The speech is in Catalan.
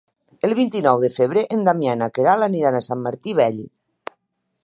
El vint-i-nou de febrer en Damià i na Queralt aniran a Sant Martí Vell.